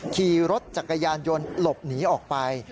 ขี่รถจักรยานยนต์หลบหนีออกไป